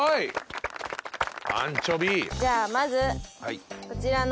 じゃあまずこちらの。